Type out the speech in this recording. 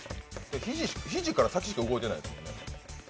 肘から先しか動いてないですね。